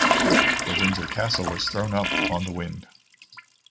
The Windsor Castle was thrown up on the wind.